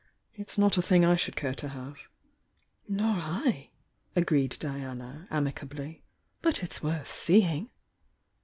It's not a thing I should care to have. "Nor I," agreed Diana, amicably. 'But it's worth seeing."